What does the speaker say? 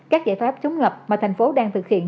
các giải pháp chống ngập mà thành phố đang thực hiện